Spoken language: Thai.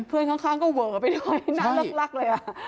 เพื่อนข้างก็เว็บไปด้วยหน้ารักรักเลยอ่ะใช่